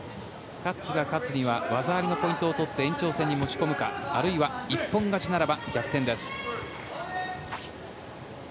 カッツが勝つには技ありのポイントを取って延長戦に持ち込むかあるいは一本勝ちならば逆転です。